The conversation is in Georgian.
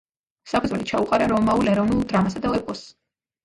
საფუძველი ჩაუყარა რომაულ ეროვნულ დრამასა და ეპოსს.